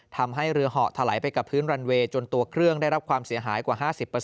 ทำให้เรือเหาะถลายไปกับพื้นรันเวย์จนตัวเครื่องได้รับความเสียหายกว่า๕๐